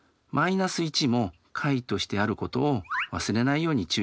−１も解としてあることを忘れないように注意してください。